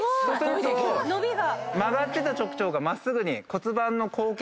曲がってた直腸が真っすぐに。